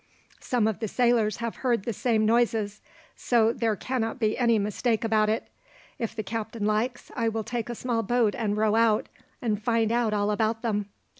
Some of the sailors have heard the same noises, so there cannot be any mistake about it. If the captain likes, I will take a small boat and row out, and find out all about them."